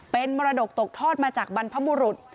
เป็นมรดกตกทอดมาจากบรรพบุรุษ